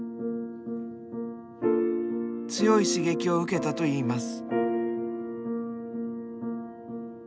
強い刺激を受けたといいます。